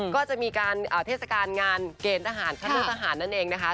ก็จะมีการเทศกาลงานเกณฑ์ทหารคณะทหารนั่นเองนะคะ